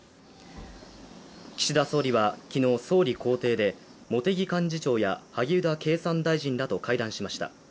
岸田総理は昨日、総理公邸で茂木幹事長や萩生田経産大臣らと会談しました。